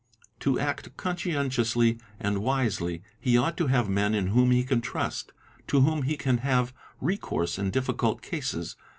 'To act conscientiously and wisely — he ought to have men in whom he can trust, to whom he can have recourse in difficult cases.